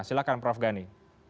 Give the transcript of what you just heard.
silakan prof gani